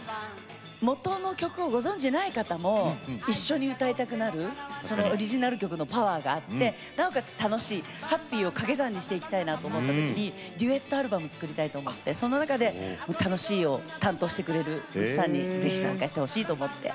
元の曲をご存じない方も一緒に歌いたくなるオリジナル曲のパワーがあってなおかつ楽しいハッピーを掛け算にしていきたいなと思った時にデュエットアルバム作りたいと思ってそんな中で楽しいを担当してくれるぐっさんにぜひ参加してほしいと思って。